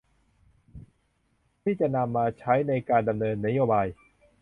ที่จะนำมาใช้ในการดำเนินนโยบาย